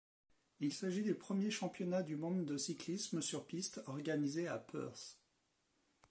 Il s'agit des premiers championnats du monde de cyclisme sur piste organisés à Perth.